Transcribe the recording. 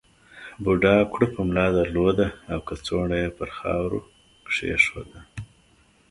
بوډا کړوپه ملا درلوده او کڅوړه یې پر خاورو کېښوده.